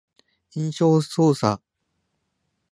印象操作